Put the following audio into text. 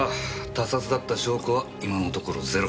他殺だった証拠は今のところゼロ。